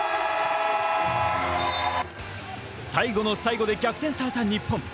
最後の最後で逆転された日本。